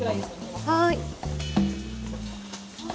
はい。